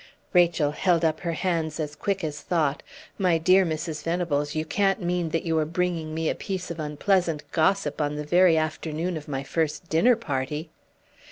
Rachel held up her hands as quick as thought. "My dear Mrs. Venables, you can't mean that you are bringing me a piece of unpleasant gossip on the very afternoon of my first dinner party?"